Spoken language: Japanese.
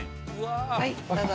はいどうぞ。